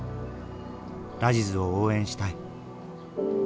ラジズを応援したい。